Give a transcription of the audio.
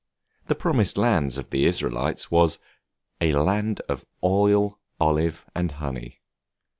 The promised land of the Israelites was "a land of oil, olive, and honey."